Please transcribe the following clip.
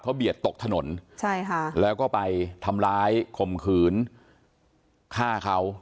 เบียดตกถนนใช่ค่ะแล้วก็ไปทำร้ายข่มขืนฆ่าเขา